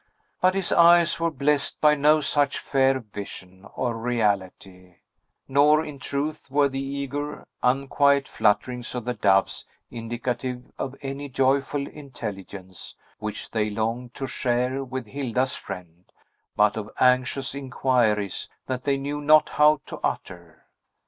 But his eyes were blessed by no such fair vision or reality; nor, in truth, were the eager, unquiet flutterings of the doves indicative of any joyful intelligence, which they longed to share with Hilda's friend, but of anxious inquiries that they knew not how to utter.